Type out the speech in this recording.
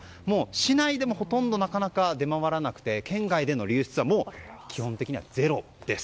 市内でもほとんどなかなか出回らなくて県外への流出はもう、基本的にはゼロです。